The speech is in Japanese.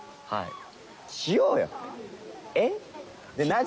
はい。